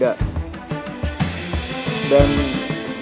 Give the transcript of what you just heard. dia seorang penyerahnya